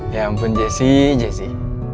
ya ampun jessy jessy